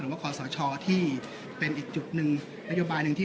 คอสชที่เป็นอีกจุดหนึ่งนโยบายหนึ่งที่